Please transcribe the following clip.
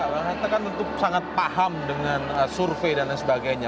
bang hanta kan tentu sangat paham dengan survei dan lain sebagainya